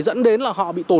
dẫn đến là họ bị tổn thương